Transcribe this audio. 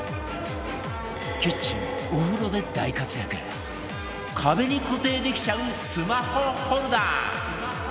キッチンお風呂で大活躍壁に固定できちゃうスマホホルダー